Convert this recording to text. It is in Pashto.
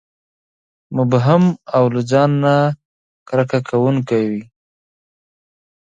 مبهم او له ځان نه کرکه کوونکي وي.